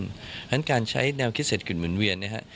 เพราะฉะนั้นการใช้แนวคิดเศรษฐกิจหมุนเวียนนะครับ